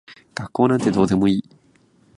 学校なんてどうでもいい。